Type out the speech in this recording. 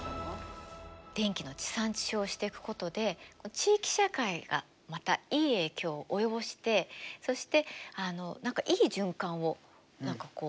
電気の地産地消をしていくことで地域社会がまたいい影響を及ぼしてそしてあの何かいい循環を何かこうつくってるような気がするね。